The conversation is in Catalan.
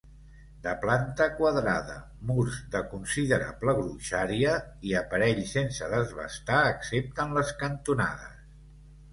De planta quadrada, murs de considerable gruixària, i aparell sense desbastar excepte en les cantonades.